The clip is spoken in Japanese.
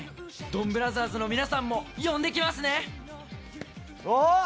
ドンブラザーズの皆さんも呼んできますね！